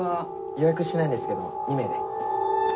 予約してないんですけど２名で。